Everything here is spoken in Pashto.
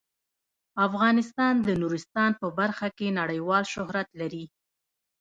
افغانستان د نورستان په برخه کې نړیوال شهرت لري.